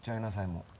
もう。